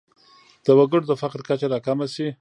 د وګړو د فقر کچه راکمه شي.